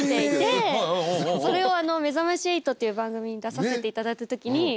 それを『めざまし８』という番組に出させていただいたときに。